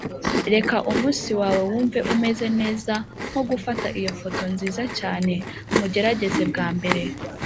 reka umunsi wawe wumve umeze neza nko gufata iyi foto nziza cyane mugerageze bwa mbere.